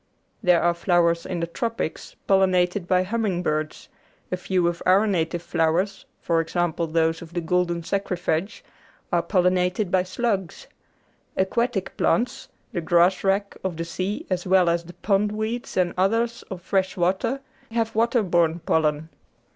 There are flowers in the Tropics pollinated by humming birds ; a few of our native flowers, for example those of the golden saxifrage, are pollinated by slugs; aquatic plants, the grasswrack of the sea as well as the pondweeds and others of fresh water, have water borne pollen.